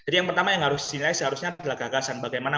jadi yang pertama yang harus diilai seharusnya adalah gagasan bagaimana